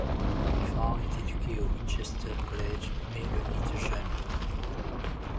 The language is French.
Oliphant est éduqué au Winchester College mais le quitte jeune.